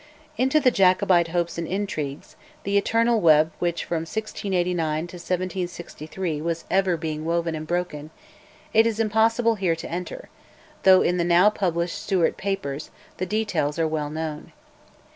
Into the Jacobite hopes and intrigues, the eternal web which from 1689 to 1763 was ever being woven and broken, it is impossible here to enter, though, in the now published Stuart Papers, the details are well known.